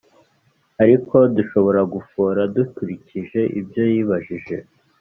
ariko dushobora gufora dukurikije ibyo yibajije.